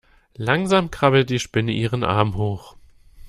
Langsam krabbelt die Spinne ihren Arm hoch.